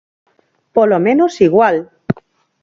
¡Polo menos igual!